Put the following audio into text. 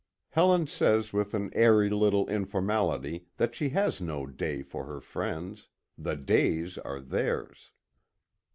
Helen says with an airy little informality that she has no day for her friends the days are theirs.